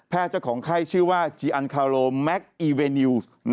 แพทย์เจ้าของไข้ชื่อว่าจิอันคาโรแมคอีเวนิว